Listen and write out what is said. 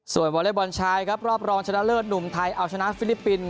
วอเล็กบอลชายครับรอบรองชนะเลิศหนุ่มไทยเอาชนะฟิลิปปินส